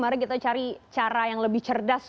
mari kita cari cara yang lebih cerdas